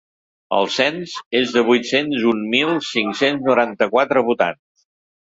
El cens és de vuit-cents un mil cinc-cents noranta-quatre votants.